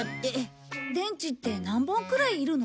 電池って何本くらいいるの？